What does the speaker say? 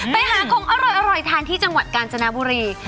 ไปหาของอร่อยทานที่จังหวัดกาญจนบุรี